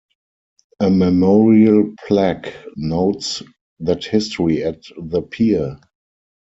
A memorial plaque notes that history at the pier.